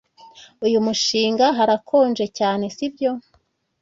Uyu munsi harakonje cyane, sibyo?